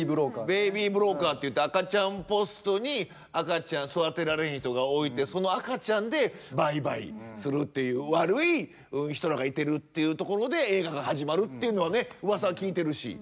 「ベイビー・ブローカー」っていって赤ちゃんポストに赤ちゃん育てられへん人が置いてその赤ちゃんで売買するっていう悪い人らがいてるっていうところで映画が始まるっていうのはねうわさは聞いてるし。